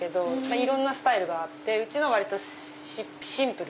いろんなスタイルがあってうちのは割とシンプル。